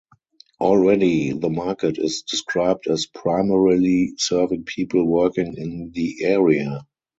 Already the market is described as primarily serving people working in the area.